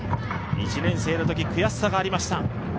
１年生のとき、悔しさがありました。